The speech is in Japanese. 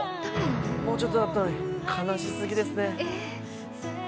もうちょっとだったのに悲しすぎですね。